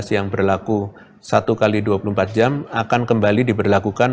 yang berlaku satu x dua puluh empat jam akan kembali diberlakukan